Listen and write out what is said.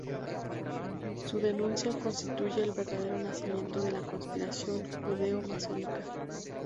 Su denuncia constituye el verdadero nacimiento de la "conspiración Judeo-Masónica".